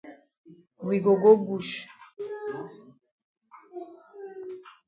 We go go bush.